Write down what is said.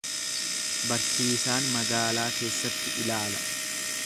Barsiisaan magaalaa keessatti ilaala.